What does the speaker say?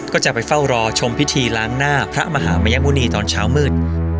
ก็จะไปเฝ้ารอชมพิธีล้างหน้าพระมหามัยมุณีตอนเช้ามืด